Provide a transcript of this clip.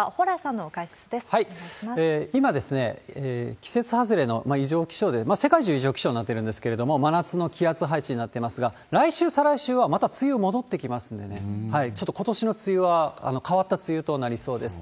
蓬莱さんの解説です、今、季節外れの異常気象で、世界中異常気象になってるんですけれども、真夏の気圧配置になってますが、来週、再来週はまた梅雨、戻ってきますんでね、ちょっとことしの梅雨は、変わった梅雨となりそうです。